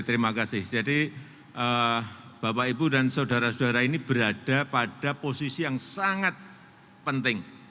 terima kasih jadi bapak ibu dan saudara saudara ini berada pada posisi yang sangat penting